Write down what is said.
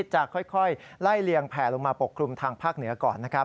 จะค่อยไล่เลี่ยงแผ่ลงมาปกคลุมทางภาคเหนือก่อนนะครับ